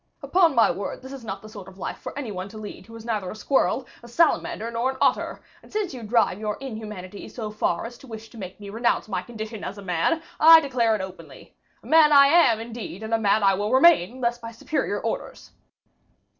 Upon my word, this is not the sort of life for any one to lead who is neither a squirrel, a salamander, nor an otter; and since you drive your inhumanity so far as to wish to make me renounce my condition as a man, I declare it openly. A man I am, indeed, and a man I will remain, unless by superior orders."